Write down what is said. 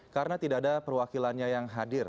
karena tidak ada perwakilannya yang hadir